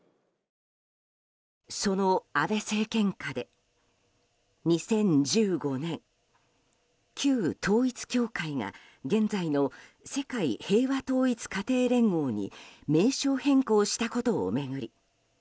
その安倍政権下で、２０１５年旧統一教会が現在の世界平和統一家庭連合に名称変更したことを巡り